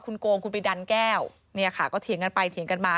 คุณโกงคุณไปดันแก้วเนี่ยค่ะก็เถียงกันไปเถียงกันมา